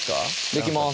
できます